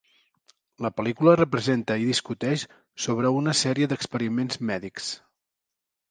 La pel·lícula representa i discuteix sobre una sèrie d'experiments mèdics.